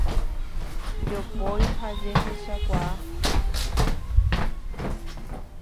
Jopói ha jehechakuaa.